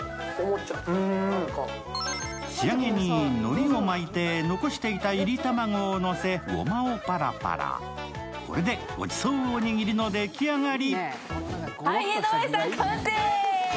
仕上げにのりを巻いて残していた炒り卵をのせ、ごまをパラパラ、これでごちそうおにぎりの出来上がり。